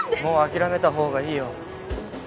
もう諦めた方がいいよ。